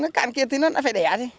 nó cạn kiệt thì nó đã phải đẻ thôi